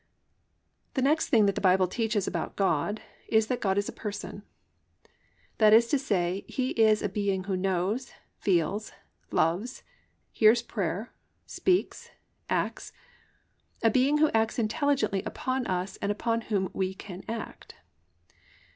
II. GOD IS A PERSON The next thing that the Bible teaches about God is that God is a person. That is to say He is a being who knows, feels, loves, hears prayer, speaks, acts, a being who acts intelligently upon us and upon whom we can act.